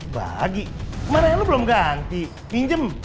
bagi mana yang lu belum ganti pinjem